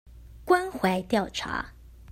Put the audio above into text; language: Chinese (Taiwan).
關懷調查